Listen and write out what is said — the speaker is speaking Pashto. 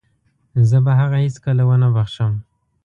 زه به هغه هيڅکله ونه وبښم.